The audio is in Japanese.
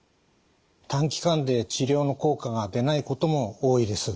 短期間で治療の効果が出ないことも多いです。